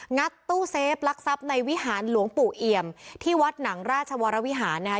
งัดตู้เซฟลักทรัพย์ในวิหารหลวงปู่เอี่ยมที่วัดหนังราชวรวิหารนะคะ